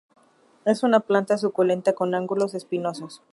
Es una planta suculenta con ángulos espinosos.